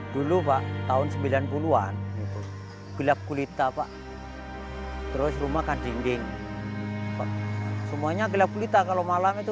dulu pak tahun sembilan puluh an gelap kulit apa terus rumah kading ding semuanya gelap kulit kalau malam itu